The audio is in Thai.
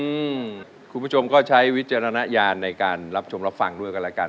คุณผู้ชมก็ใช้วิจารณญาณในการรับชมรับฟังด้วยกันแล้วกัน